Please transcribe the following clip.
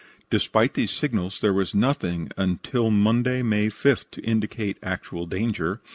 Despite these signals, there was nothing until Monday, May 5th, to indicate actual danger.